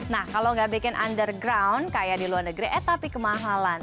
nah kalau nggak bikin underground kayak di luar negeri eh tapi kemahalan